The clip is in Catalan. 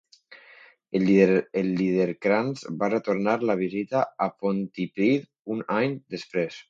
El Liederkranz va retornar la visita a Pontypridd un any després.